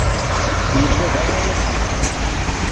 Yella d aɣawas-iw.